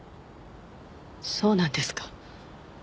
そうなんですか。